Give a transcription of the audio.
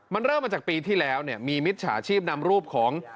มันเริ่มมาจากปีที่แล้วเนี่ยมีมิจฉาชีพนำรูปของ